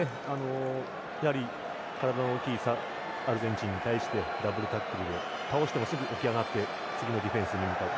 やはり体の大きいアルゼンチンに対してダブルタックルで倒しても、すぐ起き上がって次のディフェンスに向かう。